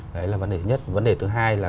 đấy là vấn đề thứ nhất vấn đề thứ hai là